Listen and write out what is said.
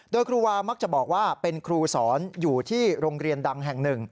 โดยครูวามักจะบอกว่าเป็นครูสอนอยู่ที่โรงเรียนดังแห่งหนึ่ง